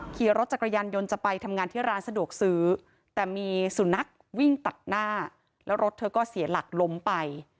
ขี่รถจักรยานยนต์จะไปทำงานที่ร้านสะดวกซื้อแต่มีสุนัขวิ่งตัดหน้าแล้วรถเธอก็เสียหลักล้มไป